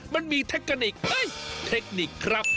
มันมีเทคนนิกซ์เอ๊ะเทคนิคครับ